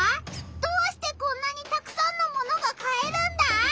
どうしてこんなにたくさんの物が買えるんだ？